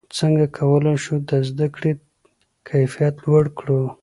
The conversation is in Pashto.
څنګه کولای شو د زده کړې کیفیت لوړ کړو؟